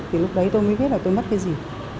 thì lúc đấy tôi mới biết là tôi mất cái gì